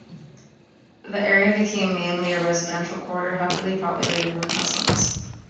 The area became mainly a residential quarter, heavily populated with Muslims.